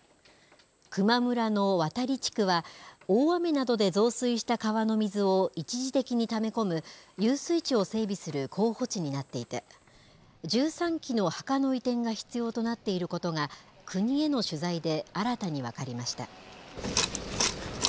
球磨村の渡地区は大雨などで増水した川の水を一時的にため込む、遊水池を整備する候補地になっていて、１３基の墓の移転が必要となっていることが、国への取材で新たに分かりました。